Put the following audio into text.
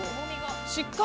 ◆しっかり。